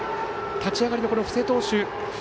立ち上がりの布施投手